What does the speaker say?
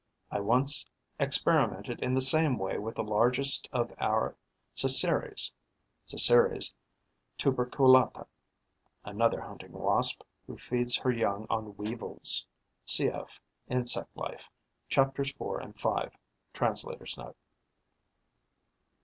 I once experimented in the same way with the largest of our Cerceres (Cerceris tuberculata) (Another Hunting Wasp, who feeds her young on Weevils. Cf. "Insect Life": chapters 4 and 5. Translator's Note.)